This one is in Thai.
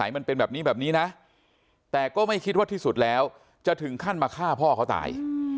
มันเป็นแบบนี้แบบนี้นะแต่ก็ไม่คิดว่าที่สุดแล้วจะถึงขั้นมาฆ่าพ่อเขาตาย